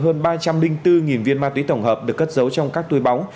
hơn ba trăm linh bốn viên ma túy tổng hợp được cất giấu trong các túi bóng